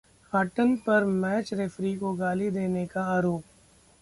Hutton पर match referee को गाली देने का आरोप